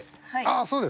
そうです。